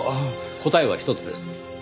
答えは一つです。